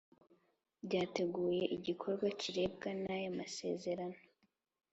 byateguye igikorwa kirebwa n ayo masezerano